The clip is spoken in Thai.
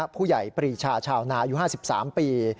ผู้ใหญ่ปรีชาชาวนาอายุ๕๓ปี